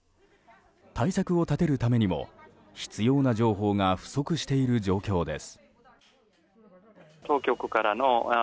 対策を立てるためにも必要な情報が不足している状況です。